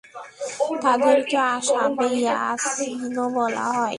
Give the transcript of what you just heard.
তাদেরকে আসহাবে ইয়াসীনও বলা হয়।